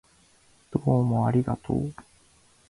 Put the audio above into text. どうもありがとう